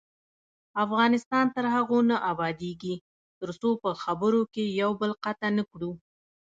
افغانستان تر هغو نه ابادیږي، ترڅو په خبرو کې یو بل قطع نکړو.